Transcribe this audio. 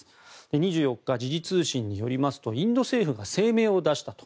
２４日、時事通信によりますとインド政府が声明を出したと。